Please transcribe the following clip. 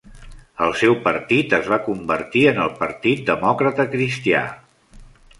El seu partit es va convertir en el Partit Demòcrata Cristià.